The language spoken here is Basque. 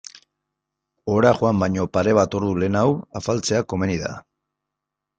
Ohera joan baino pare bat ordu lehenago afaltzea komeni da.